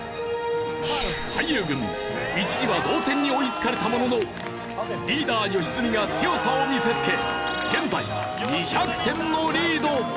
俳優軍一時は同点に追いつかれたもののリーダー良純が強さを見せつけ現在２００点のリード！